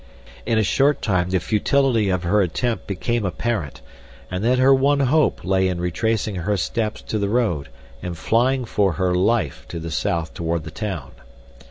In a short time the futility of her attempt became apparent and then her one hope lay in retracing her steps to the road and flying for her life to the south toward the town.